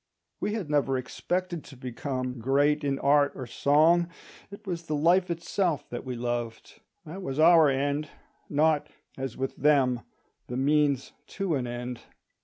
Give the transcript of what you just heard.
We had never expected to become great in art or song; it was the life itself that we loved; that was our end—not, as with them, the means to an end.